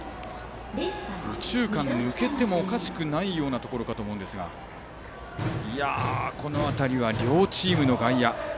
右中間抜けてもおかしくないようなところかと思いますがこの辺りは両チームの外野がいい守備。